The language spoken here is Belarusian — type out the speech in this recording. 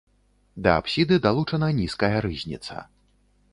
Да апсіды далучана нізкая рызніца.